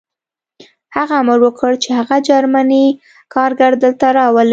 هغه امر وکړ چې هغه جرمنی کارګر دلته راولئ